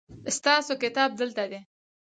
ستاسو کتاب دلته دی